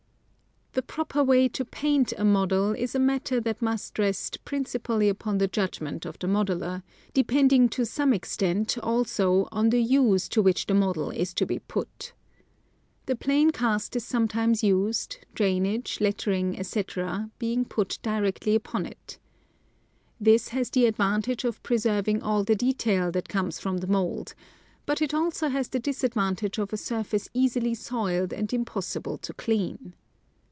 The proper way to paint a model is a matter that must rest principally upon the judgment of the modeler, depending to some 266 National Geographic Magazine. extent, also, on the use to which the model is to be put. The plain cast is sometimes used, drainage, lettering, etc., being put directly upon it. This has the advantage of preserving all the detail that comes from the mould, but it has also the disadvan tage of a surface easily soiled and impossible to clean.